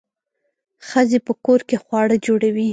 ښځې په کور کې خواړه جوړوي.